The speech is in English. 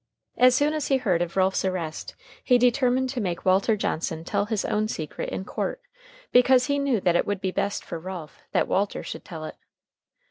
As soon as he heard of Ralph's arrest he determined to make Walter Johnson tell his own secret in court, because he knew that it would be best for Ralph that Walter should tell it.